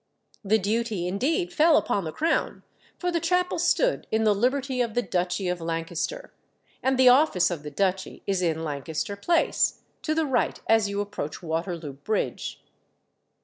The duty, indeed, fell upon the Crown, for the chapel stood in the Liberty of the Duchy of Lancaster, and the office of the Duchy is in Lancaster Place, to the right as you approach Waterloo Bridge.